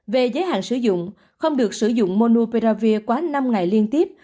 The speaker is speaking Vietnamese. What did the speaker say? về giới hạn sử dụng không được sử dụng monopravir quá năm ngày liên tiếp